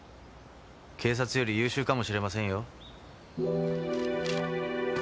警察より優秀かもしれませんよ。